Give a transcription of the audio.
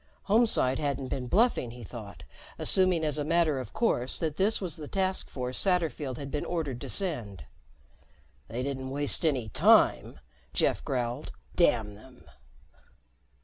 Homeside hadn't been bluffing, he thought, assuming as a matter of course that this was the task force Satterfield had been ordered to send. "They didn't waste any time," Jeff growled. "Damn them."